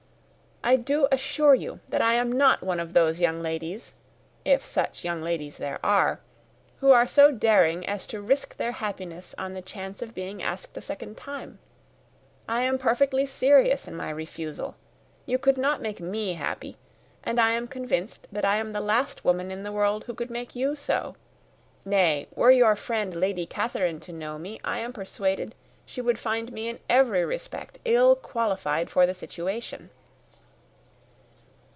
I do assure you that I am not one of those young ladies (if such young ladies there are) who are so daring as to risk their happiness on the chance of being asked a second time. I am perfectly serious in my refusal. You could not make me happy, and I am convinced that I am the last woman in the world who would make you so. Nay, were your friend Lady Catherine to know me, I am persuaded she would find me in every respect ill qualified for the situation."